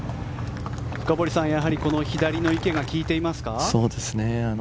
深堀さん、やはりこの左の池がきいていますか？